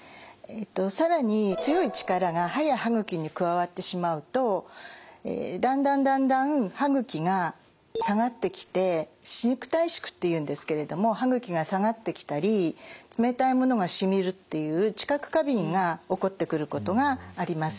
更に強い力が歯や歯ぐきに加わってしまうとだんだんだんだん歯ぐきが下がってきて歯肉退縮っていうんですけれども歯ぐきが下がってきたり冷たいものがしみるっていう知覚過敏が起こってくることがあります。